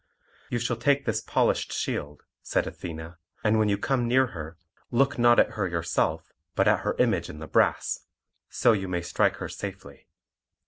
"You shall take this polished shield," said Athene, "and when you come near her look not at her yourself, but at her image in the brass; so you may strike her safely.